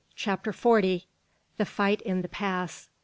CHAPTER FORTY. THE FIGHT IN THE PASS.